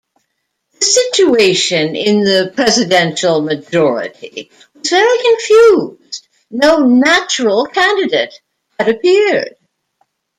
The situation in the "Presidential Majority" was very confused: no "natural candidate" had appeared.